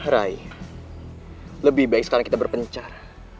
rai lebih baik sekarang kita berpencar